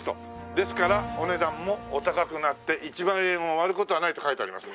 「ですからお値段もお高くなって１万円を割る事はない」と書いてありますね。